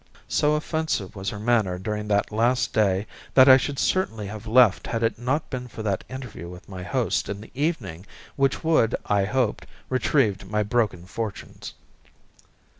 So offensive was her manner during that last day, that I should certainly have left had it not been for that interview with my host in the evening which would, I hoped, retrieve my broken fortunes.